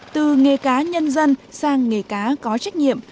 từ nghề cá nhân dân sang nghề cá có trách nhiệm